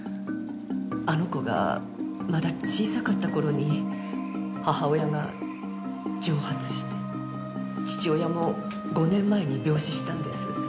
あの子がまだ小さかった頃に母親が蒸発して父親も５年前に病死したんです。